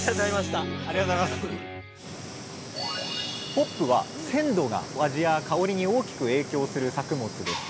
ホップは鮮度が味や香りに大きく影響する作物です。